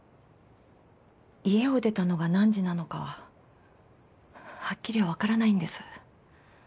家を出たのが何時なのかははっきり分からないんです。